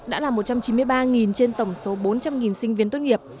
đã là một trăm chín mươi ba trên tổng số bốn trăm linh sinh viên tốt nghiệp